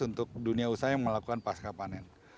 untuk dunia usaha yang melakukan pasca panen